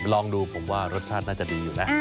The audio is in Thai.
ลองดูผมว่ารสชาติน่าจะดีอยู่นะ